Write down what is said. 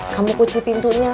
kamu kunci pintunya